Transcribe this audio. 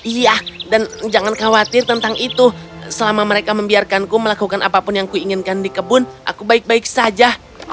iya dan jangan khawatir tentang itu selama mereka membiarkanku melakukan apapun yang kuinginkan di kebun aku baik baik saja